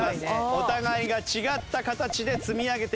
お互いが違った形で積み上げていきます。